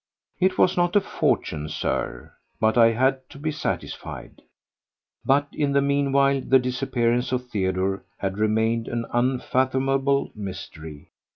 It was not a fortune, Sir, but I had to be satisfied. But in the meanwhile the disappearance of Theodore had remained an unfathomable mystery.